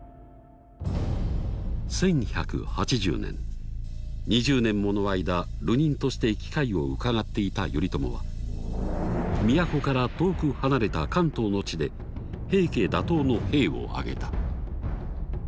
１１８０年２０年もの間流人として機会をうかがっていた頼朝は都から遠く離れた関東の地で平家打倒の兵を挙げた。